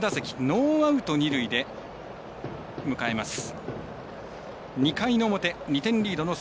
ノーアウト、二塁で迎えます。